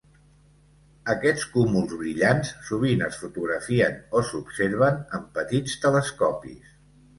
Aquests cúmuls brillants sovint es fotografien o s'observen amb petits telescopis.